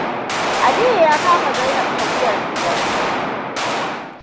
Aliyu ya kama Zainab ta wuyan rigan shi.